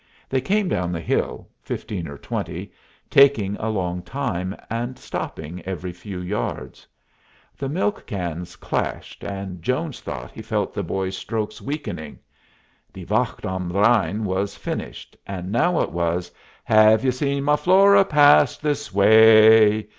They came down the hill, fifteen or twenty, taking a long time, and stopping every few yards. The milk cans clashed, and Jones thought he felt the boy's strokes weakening. "Die Wacht am Rhein" was finished, and now it was "'Ha ve you seen my Flora pass this way?'"